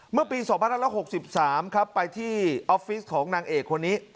เมื่อปีสองพันห้าระหกสิบสามครับไปที่ออฟฟิศของนางเอกคนนี้